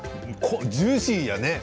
ジューシーやね。